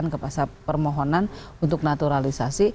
ke pasal permohonan untuk naturalisasi